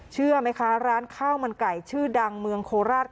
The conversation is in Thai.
เชื่อไหมคะร้านข้าวมันไก่ชื่อดังเมืองโคราช